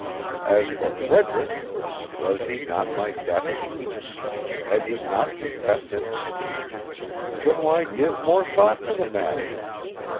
As for Frederick, was he not my debtor? Had he not confessed it? Then why give more thought to the matter?